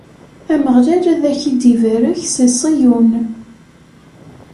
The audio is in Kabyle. Ameɣlal ad ak-id-ibarek si Ṣiyun.